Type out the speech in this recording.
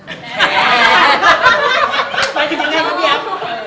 ฝากถึงยังไงครับพี่แอฟ